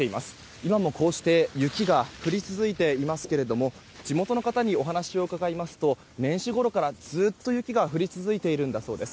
今もこうして雪が降り続いていますけれども地元の方にお話を伺いますと年始ごろからずっと雪が降り続いているんだそうです。